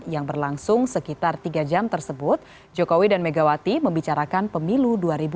yang berlangsung sekitar tiga jam tersebut jokowi dan megawati membicarakan pemilu dua ribu dua puluh